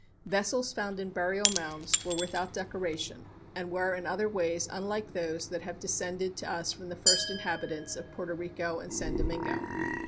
Vessels found in burial mounds were without decoration, and were in other ways unlike those that have descended to us from the first inhabitants of Porto Rico and San Domingo.